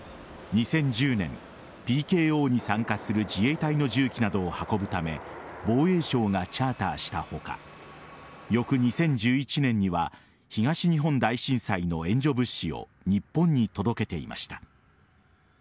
２０１０年ＰＫＯに参加する自衛隊の重機などを運ぶため防衛省がチャーターした他翌２０１１年には東日本大震災の援助物資を日本に届けていました。